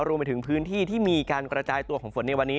รวมไปถึงพื้นที่ที่มีการกระจายตัวของฝนในวันนี้